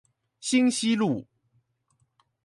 興西路